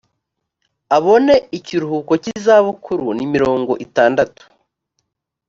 abone ikiruhuko cy izabukuru ni mirongo itandatu